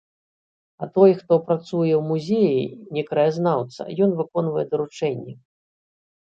А той, хто працуе ў музеі,— не краязнаўца, ён выконвае даручэнні.